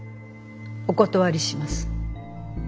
お断りします。